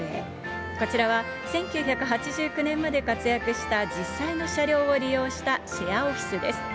こちらは、１９８９年まで活躍した実際の車両を利用したシェアオフィスです。